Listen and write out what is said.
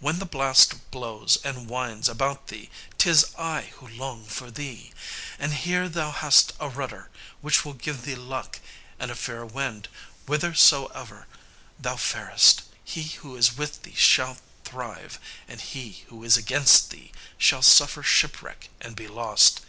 When the blast blows and whines about thee 'tis I who long for thee. And here thou hast a rudder which will give thee luck and a fair wind whithersoever thou farest. He who is with thee shall thrive, and he who is against thee shall suffer shipwreck and be lost.